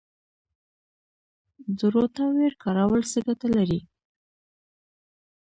د روټاویټر کارول څه ګټه لري؟